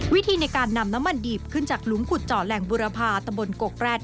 ยินดีตนำันร้อนมันดีบขึ้นมาจากรุมขุดเจาะแหล่งบุรพาตะบนโกคร่าส